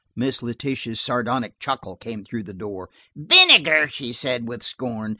Miss Letitia's sardonic chuckle came through the door. "Vinegar," she said with scorn.